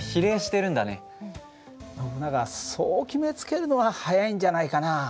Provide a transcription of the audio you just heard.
ノブナガそう決めつけるのは早いんじゃないかな。